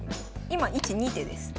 今１２手です。